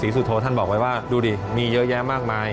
สุโธท่านบอกไว้ว่าดูดิมีเยอะแยะมากมาย